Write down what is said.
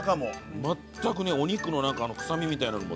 全くねお肉のなんか臭みみたいなのもゼロ。